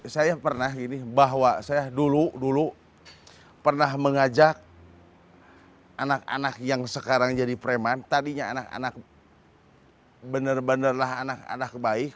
saya pernah gini bahwa saya dulu pernah mengajak anak anak yang sekarang jadi preman tadinya anak anak benar benarlah anak anak baik